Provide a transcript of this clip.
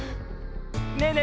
ねえねえ